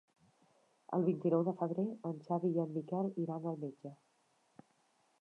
El vint-i-nou de febrer en Xavi i en Miquel iran al metge.